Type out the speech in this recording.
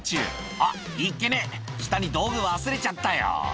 あっ、いっけね、下に道具、忘れちゃったよ。